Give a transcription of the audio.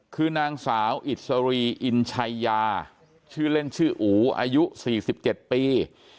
คือนางสาวอิสรีอินชัยยาชื่อเล่นชื่ออูอายุ๔๗ปี